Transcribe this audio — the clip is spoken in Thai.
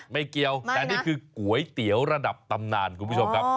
ไม่เกี่ยวแต่นี่คือก๋วยเตี๋ยวระดับตำนานคุณผู้ชมครับ